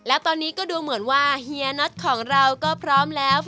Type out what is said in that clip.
และตอนนี้ก็ดูเหมือนว่าเฮียน็อตของเราก็พร้อมแล้ว